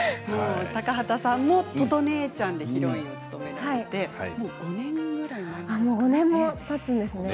高畑さんも「とと姉ちゃん」でヒロインを務めてもう５年もたつんですね。